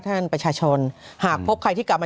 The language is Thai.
ตอนนี้แชร์กันว่อนเลย